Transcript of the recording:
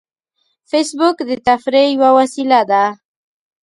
فېسبوک د تفریح یوه وسیله ده